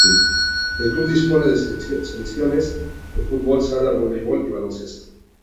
El club dispone de secciones de fútbol sala, voleibol y baloncesto.